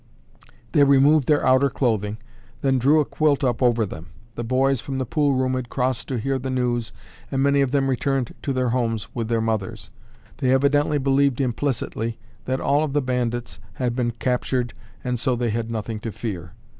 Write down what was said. They removed their outer clothing, then drew a quilt up over them. The boys from the pool room had crossed to hear the news and many of them returned to their homes with their mothers. They evidently believed implicitly that all of the bandits had been captured and so they had nothing to fear.